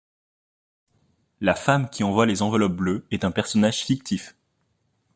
La femme qui envoie les enveloppes bleues est un personnage fictif.